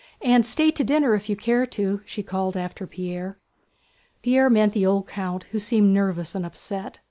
And stay to dinner if you care to!" she called after Pierre. Pierre met the old count, who seemed nervous and upset.